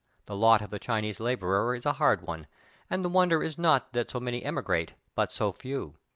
The lot of the Chinese laborer is a hard one, and the wonder is not that so many emigrate but so few.